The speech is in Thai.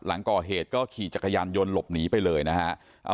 หลังก่อเหตุก็ขี่จักรยานยนต์หลบหนีไปเลยนะฮะ